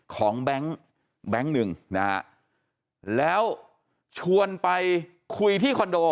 แบงค์แบงค์หนึ่งนะฮะแล้วชวนไปคุยที่คอนโด